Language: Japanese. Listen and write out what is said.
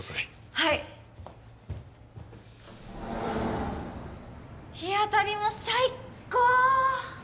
はい日当たりも最高！